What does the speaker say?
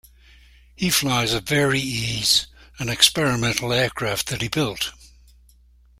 He flies a Varieze, an experimental aircraft that he built.